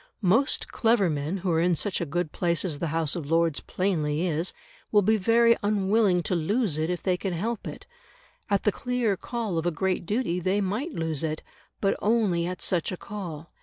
Most clever men who are in such a good place as the House of Lords plainly is, will be very unwilling to lose it if they can help it; at the clear call of a great duty they might lose it, but only at such a call.